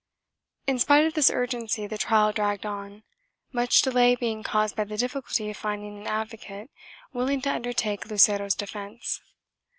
"1 • In spite of this urgency the trial dragged on, much delay being caused by the difficulty of finding an advocate willing to under take Lucero's defence.